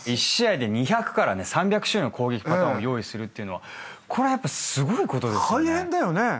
１試合で２００から３００種類の攻撃パターンを用意するっていうのはこれすごいことですよね。